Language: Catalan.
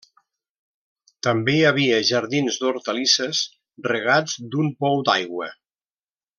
També hi havia jardins d'hortalisses, regats d'un pou d'aigua.